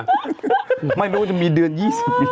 ไม่ไม่ว่าจะมีเดือน๒๐ปี